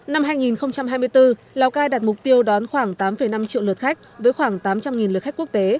năm hai nghìn hai mươi bốn lào cai đạt mục tiêu đón khoảng tám năm triệu lượt khách với khoảng tám trăm linh lượt khách quốc tế